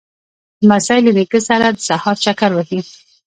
لمسی له نیکه سره د سهار چکر وهي.